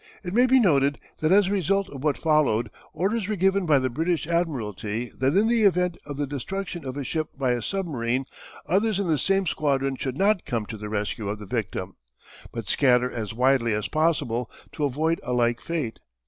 It may be noted that as a result of what followed, orders were given by the British Admiralty that in the event of the destruction of a ship by a submarine others in the same squadron should not come to the rescue of the victim, but scatter as widely as possible to avoid a like fate.